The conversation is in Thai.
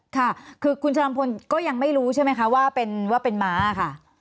ค่ะคือคุณชะลำพลก็ยังไม่รู้ใช่ไหมคะว่าเป็นม้าค่ะ